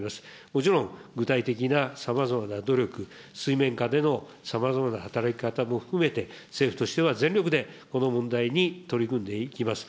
もちろん、具体的なさまざまな努力、水面下でのさまざまな働き方も含めて、政府としては全力でこの問題に取り組んでいきます。